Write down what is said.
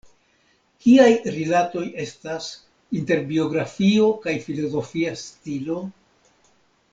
Kiaj rilatoj estas inter biografio kaj filozofia stilo?